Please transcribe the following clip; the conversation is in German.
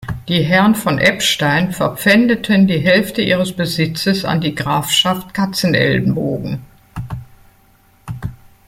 Die Herren von Eppstein verpfändeten die Hälfte ihres Besitzes an die Grafschaft Katzenelnbogen.